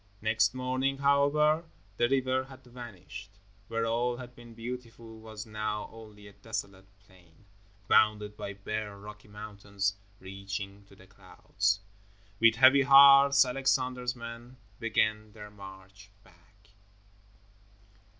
Next morning, however, the river had vanished. Where all had been beautiful was now only a desolate plain, bounded by bare rocky mountains, reaching to the clouds. With heavy hearts Alexander's men began their march back.